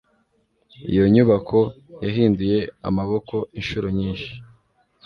Iyo nyubako yahinduye amaboko inshuro nyinshi.